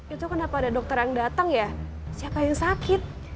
itu kenapa ada dokter yang datang ya siapa yang sakit